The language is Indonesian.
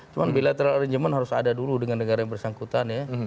cuma bilateral arrangement harus ada dulu dengan negara yang bersangkutan ya